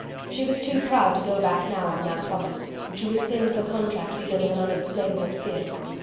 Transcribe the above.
She was too proud to go back now on that promise, to rescind the contract because of an unexplainable fear.